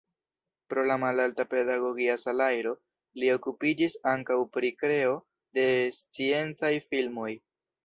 Pro la malalta pedagogia salajro li okupiĝis ankaŭ pri kreo de sciencaj filmoj.